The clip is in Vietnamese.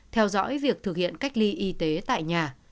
theo dõi việc thực hiện cách ly y tế tại nhà